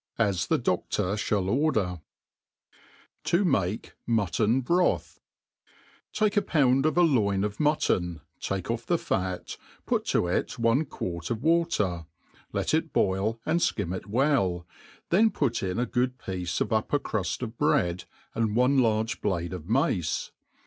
as the Do^r ihall orden T$ mah Mittpn Brsihr TAKE a pound of a loin of mutton, take off the fat^ put to it one quart of water^ let it boil and ikim it well ; then ^ut in a good piece of upper cruft of breads and one targe blade of mace.